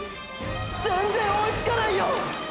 全然追いつかないよ！！